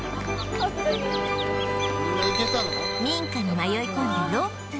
民家に迷い込んで６分